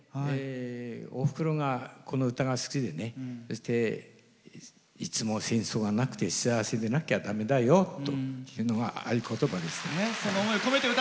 おふくろが、この歌が好きでねいつも戦争がなくて幸せじゃなきゃだめだよっていうのは合言葉でした。